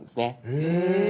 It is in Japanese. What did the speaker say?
へえ！